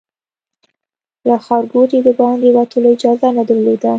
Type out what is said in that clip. له ښارګوټي د باندې وتلو اجازه نه درلوده.